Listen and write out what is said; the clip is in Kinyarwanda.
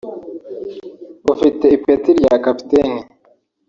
ufite ipeti rya kapiteni